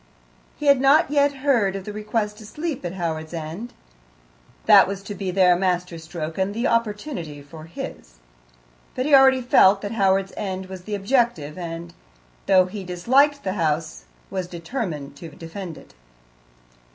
He had not yet heard of the request to sleep at Howards End; that was to be their master stroke and the opportunity for his. But he already felt that Howards End was the objective, and, though he disliked the house, was determined to defend it.